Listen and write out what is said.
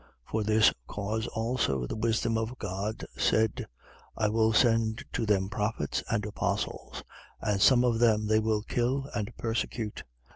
11:49. For this cause also the wisdom of God said: I will send to them prophets and apostles: and some of them they will kill and persecute.